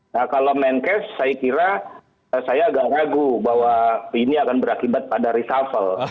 nah kalau menkes saya kira saya agak ragu bahwa ini akan berakibat pada reshuffle